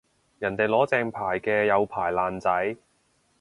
人哋攞正牌嘅有牌爛仔